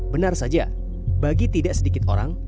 benar saja bagi tidak sedikit orang